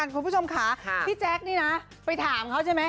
คุณผู้ชมค่ะพี่แจ๊คนี่นะไปถามเขาใช่ไหม